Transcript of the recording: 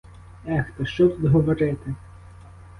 Ех, та що тут говорити!